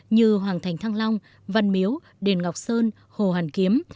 như hoàng thành thăng long văn miếu đền ngọc sơn hồ hoàn kiếm